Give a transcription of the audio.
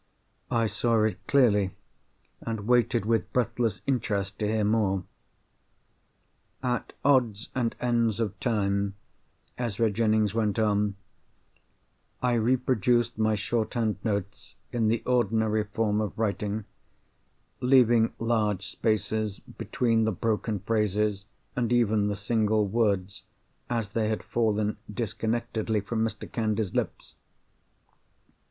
I saw it clearly, and waited with breathless interest to hear more. "At odds and ends of time," Ezra Jennings went on, "I reproduced my shorthand notes, in the ordinary form of writing—leaving large spaces between the broken phrases, and even the single words, as they had fallen disconnectedly from Mr. Candy's lips.